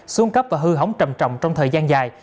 xuân cấp và hư hỏng trầm trọng trong thời gian dài